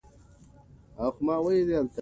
یورانیم د افغان ماشومانو د لوبو موضوع ده.